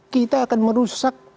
kita akan merusak